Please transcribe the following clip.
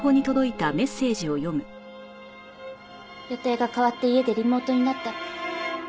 予定が変わって家でリモートになったって。